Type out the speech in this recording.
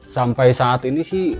sampai saat ini sih